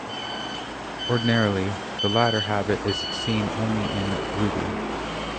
Ordinarily, the latter habit is seen only in ruby.